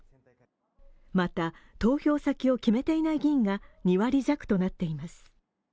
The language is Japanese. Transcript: また投票先を決めていない議員が２割弱となっています。